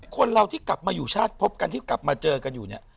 คนเราที่กลับมาอยู่ชาติพบกันที่กลับมาเจอกันอยู่เนี่ย